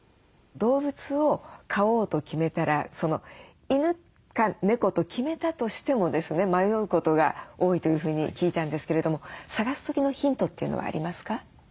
動物を飼おうと決めたら犬か猫と決めたとしてもですね迷うことが多いというふうに聞いたんですけれども探す時のヒントというのはありますか？